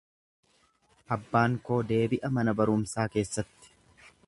Abbaan koo deebi'a mana barumsaa keessatti.